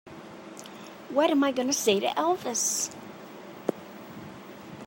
What am I going to say to Elvis?